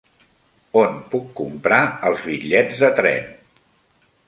On puc comprar els bitllets de tren?